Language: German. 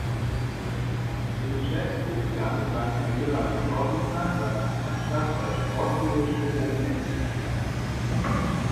Lucescu begann seine Karriere als Torhüter in seiner Heimatstadt bei Sportul Studențesc.